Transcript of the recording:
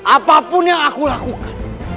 apapun yang aku lakukan